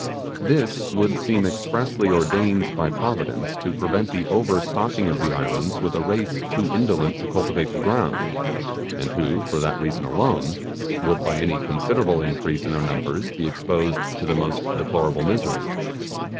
This would seem expressively ordained by Providence to prevent the overstocking of the islands with a race too indolent to cultivate the ground, and who, for that reason alone, would, by any considerable increase in their numbers, be exposed to the most deplorable misery.